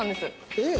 えっ！